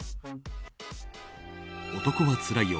「男はつらいよ」